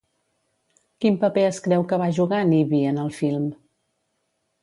Quin paper es creu que va jugar Nyby en el film?